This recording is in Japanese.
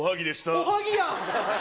おはぎや。